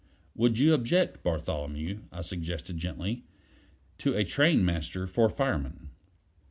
"Would you object, Bartholomew," I suggested gently, "to a train master for fireman?"